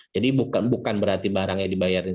jadi bukan berarti barangnya dibayarkan